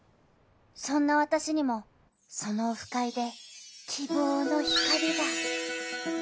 ［そんな私にもそのオフ会で希望の光が］